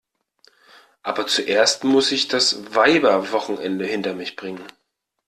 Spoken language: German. Aber zuerst muss ich das Weiberwochenende hinter mich bringen.